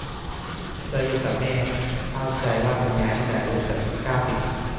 เธออยู่กับแม่เข้าใจว่าคุณยายน่าจะอานุเกือบ เก้าสิบ